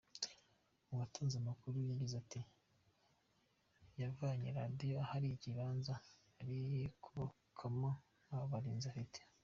Uwatanze amakuru yagize ati "Yavanye Radio ahari ikibanza ari kubakamo nta barinzi afite.